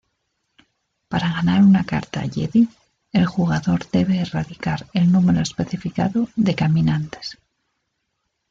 Para ganar una carta Jedi, el jugador debe erradicar el número especificado de caminantes.